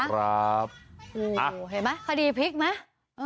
เห็นไหมคดีพลิกไหม